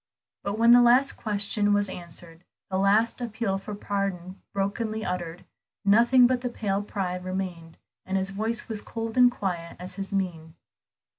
But when the last question was answered, the last appeal for pardon brokenly uttered, nothing but the pale pride remained; and his voice was cold and quiet as his mien.